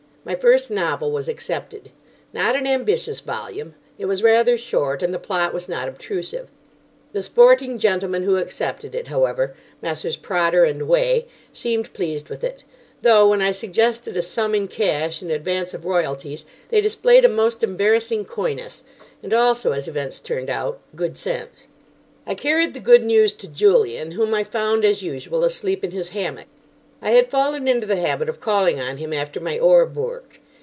My first novel was accepted. Not an ambitious volume. It was rather short, and the plot was not obtrusive. The sporting gentlemen who accepted it, however—Messrs. Prodder and Way—seemed pleased with it; though, when I suggested a sum in cash in advance of royalties, they displayed a most embarrassing coyness—and also, as events turned out, good sense. I carried the good news to Julian, whom I found, as usual, asleep in his hammock. I had fallen into the habit of calling on him after my Orb work.